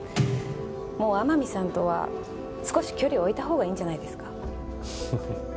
もう天海さんとは少し距離を置いた方がいいんじゃないですか？